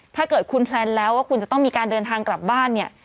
ถ้าเกิดคุณแพลนแล้วว่าคุณจะต้องมีการเดินทางกลับบ้านเนี่ย